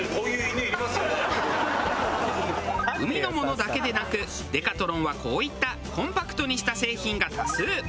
海のものだけでなくデカトロンはこういったコンパクトにした製品が多数。